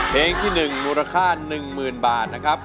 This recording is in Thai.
เพลงที่๑มูลค่า๑๐๐๐บาทนะครับ